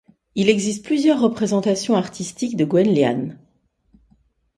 Il existe plusieurs représentations artistiques de Gwenllian.